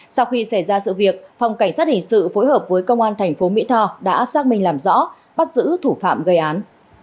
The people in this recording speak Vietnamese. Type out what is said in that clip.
sau khi xảy ra sự việc phòng cảnh sát hình sự phối hợp với công an thành phố mỹ tho đã xác minh làm rõ bắt giữ thủ phạm gây án